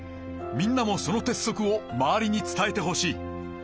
みんなもその鉄則を周りに伝えてほしい。